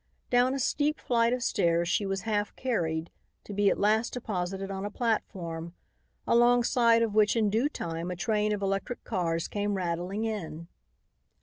Down a steep flight of steps she was half carried, to be at last deposited on a platform, alongside of which in due time a train of electric cars came rattling in.